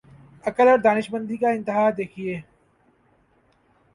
عقل اور دانشمندی کی انتہا دیکھیے۔